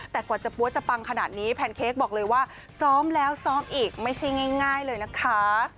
แต่กว่าจะปั้วจะปังขนาดนี้แพนเค้กบอกเลยว่าซ้อมแล้วซ้อมอีกไม่ใช่ง่ายเลยนะคะ